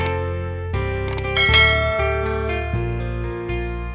terima kasih bapak